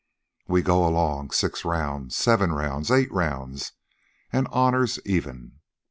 "We go along six rounds seven rounds eight rounds; an' honors even.